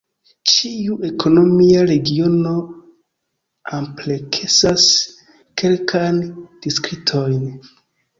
Ĉiu ekonomia regiono ampleksas kelkajn distriktojn.